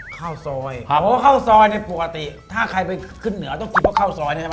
ข้าวซอยข้าวซอยในปกติถ้าใครไปขึ้นเหนือต้องกินข้าวซอยใช่ไหม